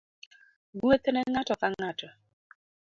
Gweth ne ngato ka ngato